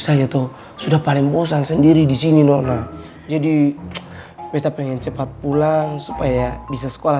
saya tuh sudah paling bosan sendiri di sini norma jadi peta pengen cepat pulang supaya bisa sekolah